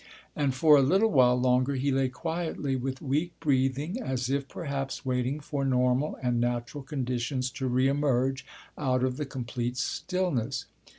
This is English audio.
And for a little while longer he lay quietly with weak breathing, as if perhaps waiting for normal and natural conditions to re emerge out of the complete stillness.